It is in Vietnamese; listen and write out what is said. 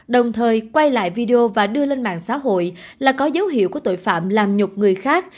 đồng thời quay lại video và đưa lên mạng xã hội là có dấu hiệu của tội phạm làm nhục người khác